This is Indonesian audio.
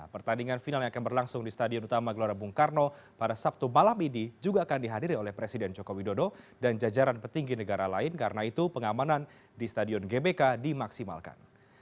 pertandingan final yang akan berlangsung di stadion utama gelora bung karno pada sabtu malam ini juga akan dihadiri oleh presiden joko widodo dan jajaran petinggi negara lain karena itu pengamanan di stadion gbk dimaksimalkan